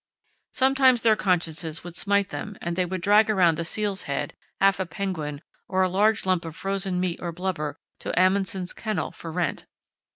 Sometimes their consciences would smite them and they would drag round a seal's head, half a penguin, or a large lump of frozen meat or blubber to Amundsen's kennel for rent.